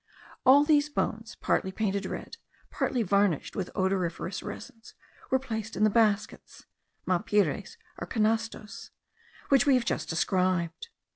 All these bones, partly painted red, partly varnished with odoriferous resins, were placed in the baskets (mapires or canastos) which we have just described.